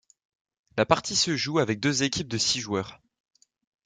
La partie se joue avec deux équipes de six joueurs.